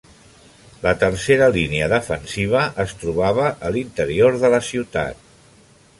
La tercera línia defensiva es trobava a l'interior de la ciutat.